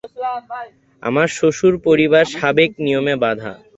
আমার শ্বশুর-পরিবার সাবেক নিয়মে বাঁধা।